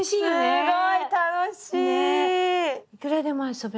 すごい楽しい！